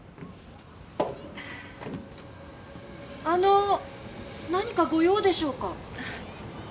あの何かご用でしょうか？